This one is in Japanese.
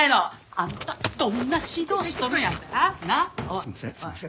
すいませんすいません。